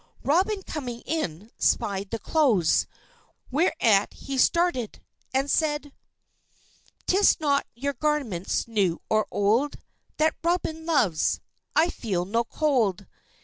Robin, coming in, spied the clothes, whereat he started, and said: "_'Tis not your garments new or old That Robin loves. I feel no cold.